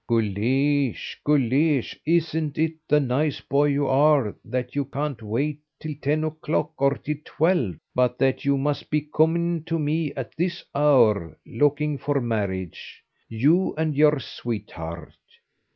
"Guleesh, Guleesh, isn't it the nice boy you are that you can't wait till ten o'clock or till twelve, but that you must be coming to me at this hour, looking for marriage, you and your sweetheart?